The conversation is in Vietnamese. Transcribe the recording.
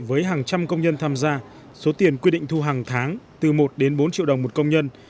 với hàng trăm công nhân tham gia số tiền quy định thu hàng tháng từ một đến bốn triệu đồng một công nhân